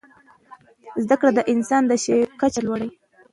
زده کړه د انسان د شعور کچه لوړوي.